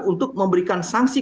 untuk memberikan sanksi